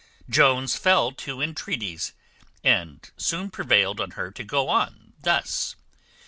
Jones fell to entreaties, and soon prevailed on her to go on thus.